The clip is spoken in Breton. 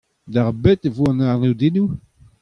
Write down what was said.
D'ar bet e vo an arnodennoù ?